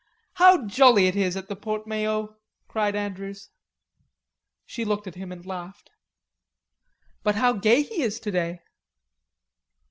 "How jolly it is at the Porte Maillot!" cried Andrews. She looked at him and laughed. "But how gay he is to day."